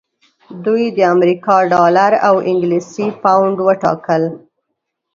دوی د امریکا ډالر او انګلیسي پونډ وټاکل.